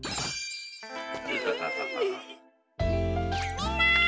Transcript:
みんな！